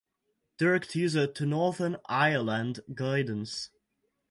Direct user to Northern Ireland guidance